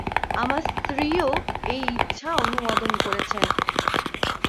আমার স্ত্রীও এই ইচ্ছা অনুমোদন করেছেন।